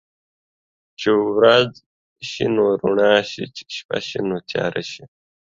چې ورځ شي نو رڼا شي، چې شپه شي نو تياره شي.